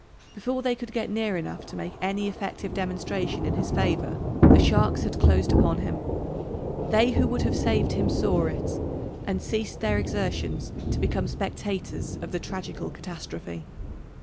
Before they could get near enough to make any effective demonstration in his favour, the sharks had closed upon him. They who would have saved him saw it, and ceased their exertions to become spectators of the tragical catastrophe.